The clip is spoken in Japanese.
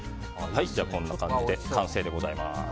こんな感じで完成でございます。